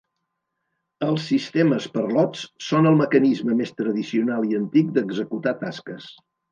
Els sistemes per lots són el mecanisme més tradicional i antic d'executar tasques.